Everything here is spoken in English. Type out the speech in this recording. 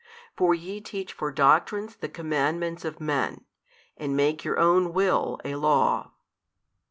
For ye teach for doctrines the commandments of men, and make your own will a law.